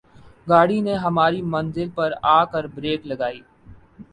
گاڑی نے ہماری منزل پر آ کر بریک لگائی